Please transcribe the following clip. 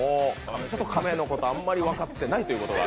亀のことあんまり分かってないことが。